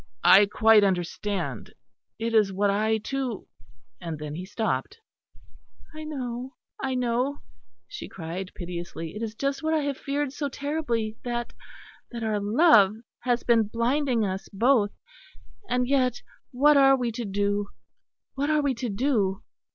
I quite understand. It is what I too " and then he stopped. "I know, I know," she cried piteously. "It is just what I have feared so terribly that that our love has been blinding us both. And yet, what are we to do, what are we to do?